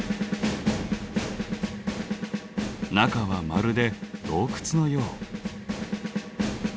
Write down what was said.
中はまるで洞窟のよう。